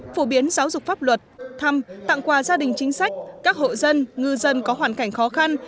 phổ biến giáo dục pháp luật thăm tặng quà gia đình chính sách các hộ dân ngư dân có hoàn cảnh khó khăn